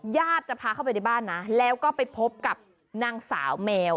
ญาติจะพาเข้าไปในบ้านนะแล้วก็ไปพบกับนางสาวแมว